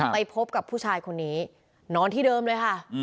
ไปพบกับผู้ชายคนนี้นอนที่เดิมเลยค่ะ